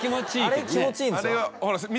あれ気持ちいいんですよ。